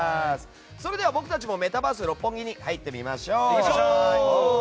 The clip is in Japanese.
それでは、僕たちもメタバース六本木に入ってみましょう！